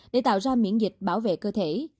để tạo ra miễn dịch bảo vệ cơ thể